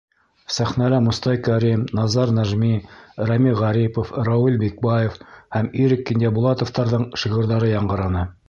Сәхнәлә Мостай Кәрим, Назар Нәжми, Рәми Ғарипов, Рауил Бикбаев һәм Ирек Кинйәбулатовтарҙың шиғырҙары яңғыраны.